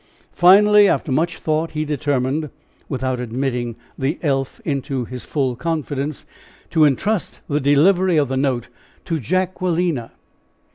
Finally, after much thought, he determined, without admitting the elf into his full confidence, to entrust the delivery of the note to Jacquelina.